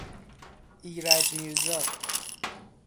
ایرج میرزا